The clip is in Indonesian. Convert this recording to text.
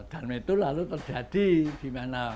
dan itu lalu terjadi